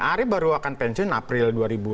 ari baru akan pensiun april dua ribu delapan belas